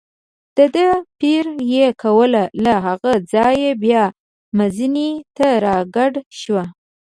دده پیره یې کوله، له هغه ځایه بیا مزینې ته را کډه شو.